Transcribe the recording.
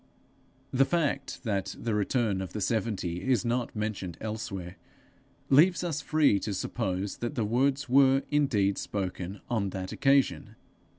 The fact that the return of the seventy is not mentioned elsewhere, leaves us free to suppose that the words were indeed spoken on that occasion.